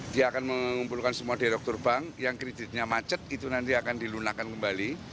dia akan mengumpulkan semua direktur bank yang kreditnya macet itu nanti akan dilunakan kembali